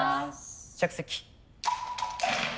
着席。